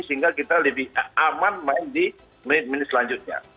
sehingga kita lebih aman main di menit menit selanjutnya